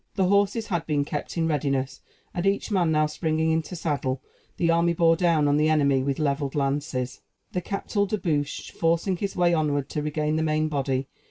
The horses had been kept in readiness; and each man now springing into saddle, the army bore down on the enemy with levelled lances, the Captal de Buch forcing his way onward to regain the main body.